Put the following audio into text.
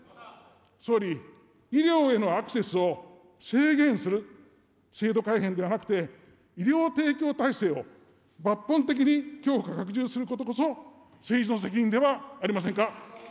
総理、医療へのアクセスを制限する制度改変ではなくて、医療提供体制を抜本的に強化、拡充することこそ、政治の責任ではありませんか。